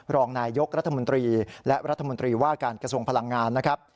รองนายยกรัฐมนตรีและรัฐมนตรีว่าการกระทรวงพลังงานนะครับ